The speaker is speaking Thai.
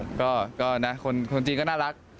เมื่อก่อนอันนี้เหมือนเรามีงานซีรีส์